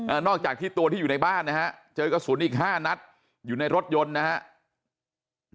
นอกจากที่ตัวที่อยู่ในบ้านนะฮะเจอกระสุนอีกห้านัดอยู่ในรถยนต์นะฮะ